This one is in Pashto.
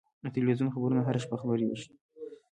د تلویزیون خبرونه هره شپه خپرېږي.